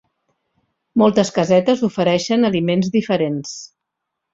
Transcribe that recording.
Moltes casetes ofereixen aliments diferents.